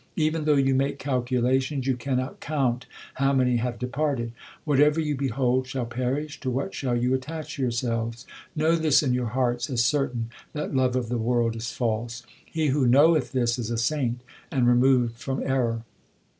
Even though you make calculations, you cannot count how many have departed. Whatever you behold shall perish ; to what shall you attach yourselves ? Know this in your hearts as certain that love of the world is false. He who knoweth this is a saint and removed from error.